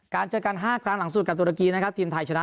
เจอกัน๕ครั้งหลังสุดกับตุรกีนะครับทีมไทยชนะ